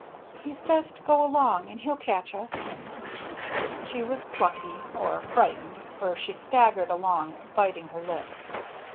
" He says to go along, and he'll catch us." She was plucky, or frightened, for she staggered along biting her lip.